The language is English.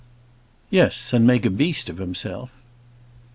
"Yes; and make a beast of himself."